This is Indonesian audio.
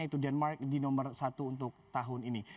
yaitu denmark di nomor satu untuk tahun ini